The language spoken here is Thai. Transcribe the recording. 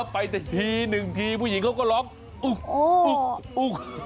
ไปแต่ทีหนึ่งทีผู้หญิงเขาก็ร้องอุ๊ก